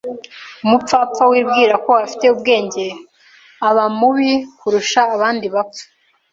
Umupfapfa wibwira ko afite ubwenge aba mubi kurusha abandi bapfu.